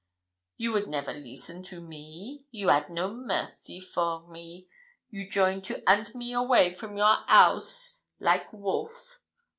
You would never listen to me you 'ad no mercy for me you join to hunt me away from your house like wolf.